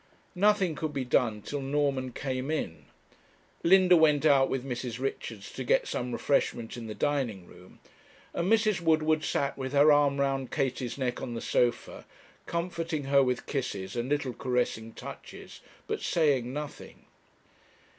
Nothing could be done till Norman came in. Linda went out with Mrs. Richards to get some refreshment in the dining room, and Mrs. Woodward sat with her arm round Katie's neck on the sofa, comforting her with kisses and little caressing touches, but saying nothing.